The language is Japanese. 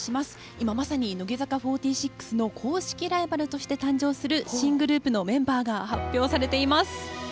今まさに乃木坂４６の公式ライバルとして誕生する新グループのメンバーが発表されています。